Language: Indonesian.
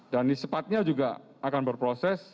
dan sepatnya juga akan berproses